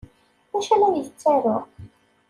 D acu ay la yettaru?